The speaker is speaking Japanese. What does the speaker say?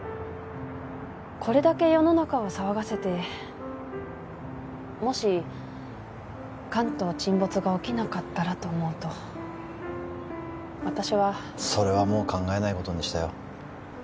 これだけ世の中を騒がせてもし関東沈没が起きなかったらと思うと私はそれはもう考えないことにしたよ